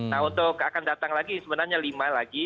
nah untuk akan datang lagi sebenarnya lima lagi